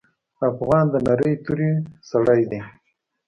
افغان د نرۍ توري سړی دی.